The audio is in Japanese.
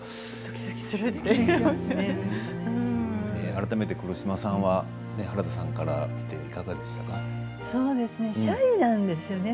改めて黒島さんは原田さんから見てシャイなんですよね